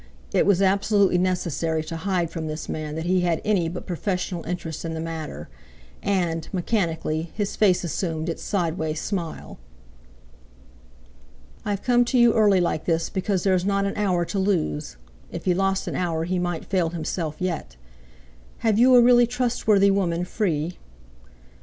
It was absolutely necessary to hide from this man that he had any but professional interest in the matter; and, mechanically, his face assumed its sideway smile. "I've come to you early like this because there's not an hour to lose"—if he lost an hour he might fail himself yet! "Have you a really trustworthy woman free?"